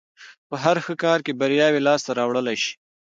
په هر ښه کار کې برياوې لاس ته راوړلای شي.